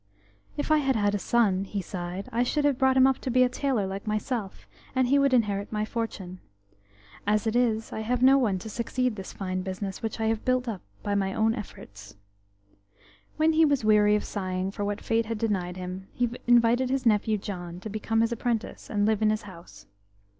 "If I had had a son," he sighed, "I should have brought him up to be a tailor like myself, and he would inherit my fortune. As it is, I have no one to succeed to this fine business, which I have built up by my own efforts." When he was weary of sighing for what Fate had denied him, he invited his nephew, John, to become his apprentice, and live in his house.